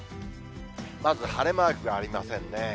まず、晴れマークがありませんね。